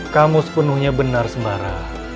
kamu sepenuhnya benar sembara